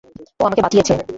ও আমাকে বাঁচিয়েছে।